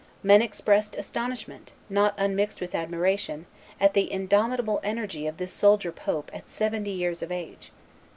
Men expressed astonishment, not unmixed with admiration, at the indomitable energy of this soldier pope at seventy years of age.